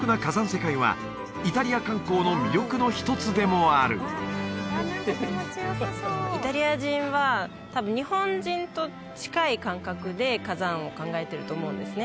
世界はイタリア観光の魅力の一つでもあるイタリア人は多分日本人と近い感覚で火山を考えてると思うんですね